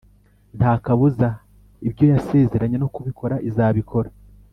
Ntakabuza ibyo yasezeranye no kubikora izabikora